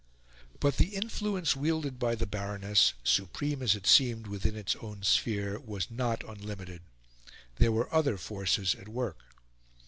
But the influence wielded by the Baroness, supreme as it seemed within its own sphere, was not unlimited; there were other forces at work.